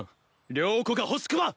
了子が欲しくば！